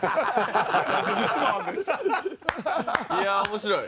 いや面白い。